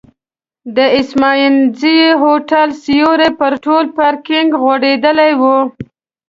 د اسمانځکي هوټل سیوری پر ټول پارکینک غوړېدلی و.